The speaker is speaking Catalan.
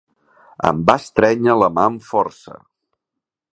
Em va estrènyer la mà amb força